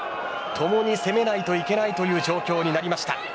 ともに攻めないといけない状況になりました。